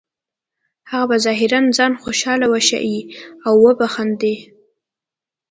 هغه به ظاهراً ځان خوشحاله وښیې او وبه خاندي